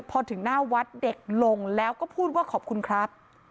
พอถึงหน้าวัดเด็กลงแล้วก็พูดว่าขอบคุณครับ